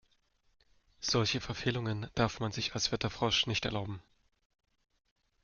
Solche Verfehlungen darf man sich als Wetterfrosch nicht erlauben.